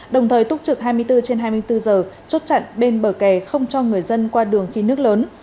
đồng thời túc trực hai mươi bốn trên hai mươi bốn giờ chốt chặn bên bờ kè không cho người dân qua đường khi nước lớn